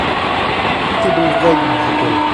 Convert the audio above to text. Tout est donc vrai, lui dit-elle.